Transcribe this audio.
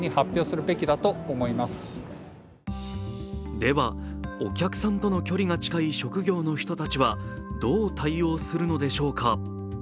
では、お客さんとの距離が近い職業の人たちはどう対応するのでしょうか？